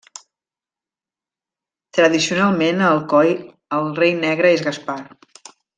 Tradicionalment a Alcoi el rei negre és Gaspar.